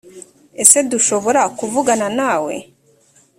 ese dushobora kuvugana na we